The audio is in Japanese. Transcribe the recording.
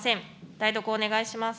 代読お願いします。